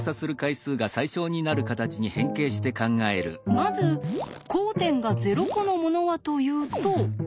まず交点が０コのものはというとはいこれ。